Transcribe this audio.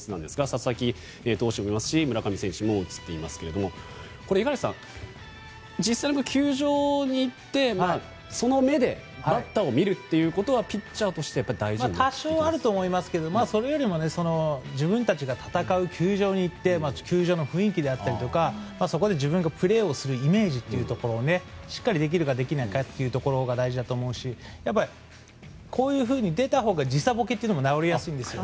佐々木投手もいますし村上選手も写っていますけども五十嵐さん、実際に球場に行ってその目で、バッターを見ることはピッチャーとして多少あると思いますがそれよりも自分たちが戦う球場に行って球場の雰囲気や、そこで自分がプレーをするイメージをしっかりできるかできないかというところが大事だと思うしこういうふうに出たほうが時差ボケも治りやすいんですよ。